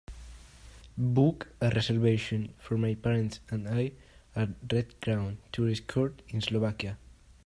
Book a reservation for my parents and I at Red Crown Tourist Court in Slovakia